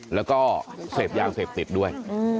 แล้วก็เศษยางเศษติดด้วย